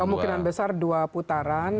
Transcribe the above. kemungkinan besar dua putaran